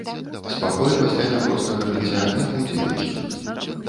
Спакой пасля няпростага жыцця не будзе вечным.